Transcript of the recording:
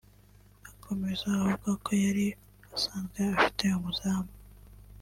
Akomeza avuga ko yari asanzwe afite umuzamu